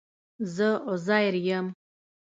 زه عزير يم